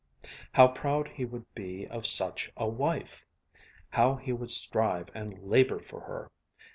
How proud he would be of such a wife! How he would strive and labor for her!